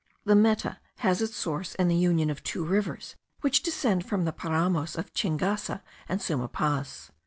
The Meta has its source in the union of two rivers which descend from the paramos of Chingasa and Suma Paz.